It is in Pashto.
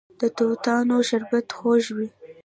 د توتانو شربت خوږ وي.